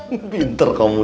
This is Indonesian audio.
tapi anaknya dikejar kejar kom